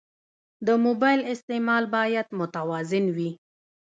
د موبایل استعمال باید متوازن وي.